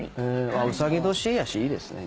うさぎ年やしいいですね。